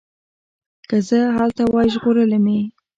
که زه هلته وای ژغورلي مي